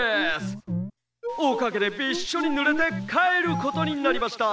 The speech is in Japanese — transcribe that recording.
おかげでびっしょりぬれてかえることになりました。